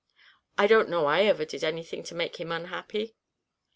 "I don't know I ever did anything to make him unhappy."